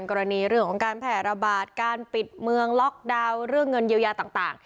กรณีเรื่องของการแพร่ระบาดการปิดเมืองล็อกดาวน์เรื่องเงินเยียวยาต่าง